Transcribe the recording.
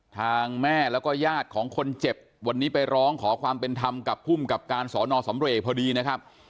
ทางแม่แล้วก็ญาติของคนเจ็บวันนี้ไปร้องขอความเป็นธรรมกับภูมิกับการสอนอสำเรกพอดีนะครับ